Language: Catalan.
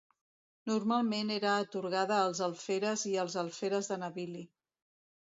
Normalment era atorgada als alferes i als alferes de navili.